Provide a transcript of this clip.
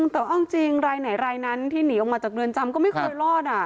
แต่ว่าเอาจริงรายไหนรายนั้นที่หนีออกมาจากเรือนจำก็ไม่เคยรอด